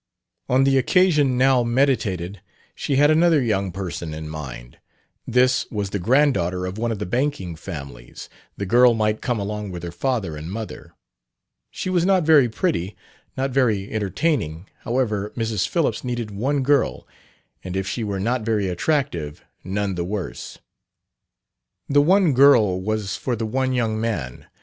On the occasion now meditated she had another young person in mind. This was the granddaughter of one of the banking families; the girl might come along with her father and mother. She was not very pretty, not very entertaining; however, Mrs. Phillips needed one girl, and if she were not very attractive, none the worse. The one girl was for the one young man.